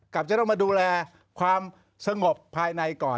จะต้องมาดูแลความสงบภายในก่อน